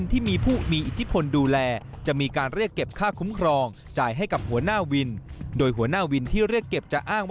ทำไมต้องจ่ายค่านักเลงครับ